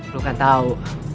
lo kan tau